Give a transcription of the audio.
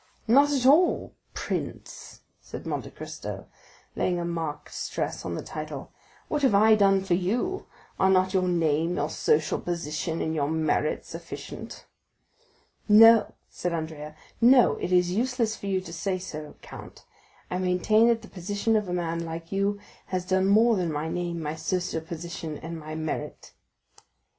Not at all, prince," said Monte Cristo laying a marked stress on the title, "what have I done for you? Are not your name, your social position, and your merit sufficient?" "No," said Andrea,—"no; it is useless for you to say so, count. I maintain that the position of a man like you has done more than my name, my social position, and my merit."